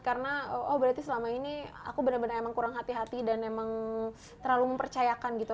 karena berarti selama ini aku benar benar kurang hati hati dan emang terlalu mempercayakan gitu